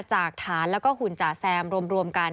จากฐานแล้วก็หุ่นจ่าแซมรวมกัน